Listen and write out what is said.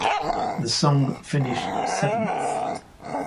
The song finished seventh.